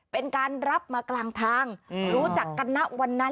เป็นการรับมากลางทางรู้จักกันนะวันนั้น